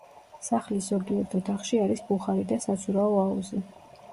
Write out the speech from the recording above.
სახლის ზოგიერთ ოთახში არის ბუხარი და საცურაო აუზი.